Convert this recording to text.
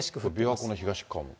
琵琶湖の東側も。